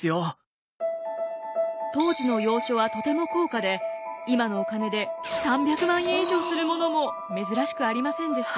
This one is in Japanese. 当時の洋書はとても高価で今のお金で３００万円以上するものも珍しくありませんでした。